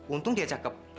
untung dia cakep